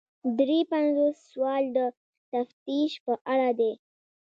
درې پنځوسم سوال د تفتیش په اړه دی.